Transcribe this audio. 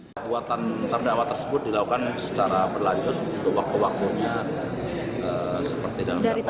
kekuatan terdakwa tersebut dilakukan secara berlanjut untuk waktu waktu ini